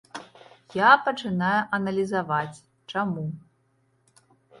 Я пачынаю аналізаваць, чаму.